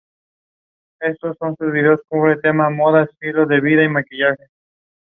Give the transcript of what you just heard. He spent sixteen years in private practice.